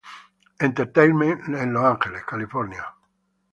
Entertainment" en Los Ángeles, California.